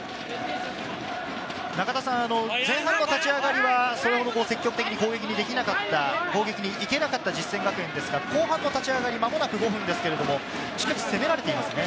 前半の立ち上がりは積極的に攻撃できなかった、攻撃に行けなかった実践学園ですが、後半の立ち上がり、間もなく５分ですけれど、しっかり攻められていますね。